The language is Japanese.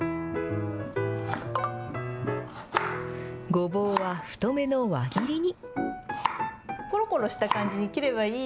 ごぼうは太めの輪切りに。